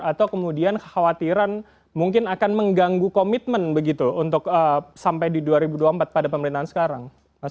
atau kemudian kekhawatiran mungkin akan mengganggu komitmen begitu untuk sampai di dua ribu dua puluh empat pada pemerintahan sekarang